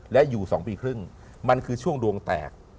และอยู่๒ปีครึ่งมันคือช่วงดวงแตก